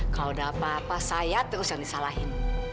kalau ada apa apa saya terus yang disalahin